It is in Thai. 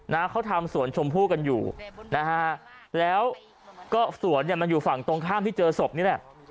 นะเขาทำสวนชมพู่กันอยู่นะฮะแล้วก็สวนเนี่ยมันอยู่ฝั่งตรงข้ามที่เจอศพนี่แหละ